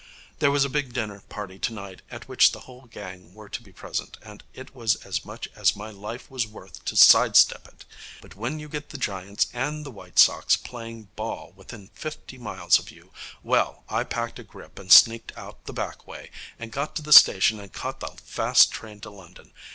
There was a big dinner party tonight, at which the whole gang were to be present, and it was as much as my life was worth to side step it. But when you get the Giants and the White Sox playing ball within fifty miles of you Well, I packed a grip and sneaked out the back way, and got to the station and caught the fast train to London.